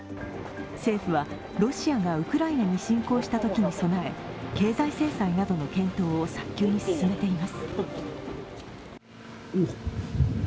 政府は、ロシアがウクライナに侵攻したときに備え、経済制裁などの検討を早急に進めています。